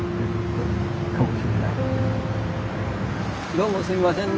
どうもすいませんね。